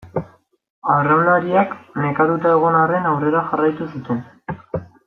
Arraunlariak nekatuta egon arren aurrera jarraitu zuten.